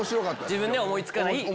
自分では思いつかない。